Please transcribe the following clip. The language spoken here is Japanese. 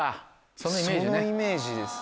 そのイメージですね。